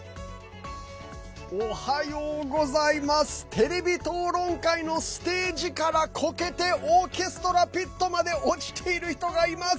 テレビ討論会のステージからこけてオーケストラピットまで落ちている人がいます。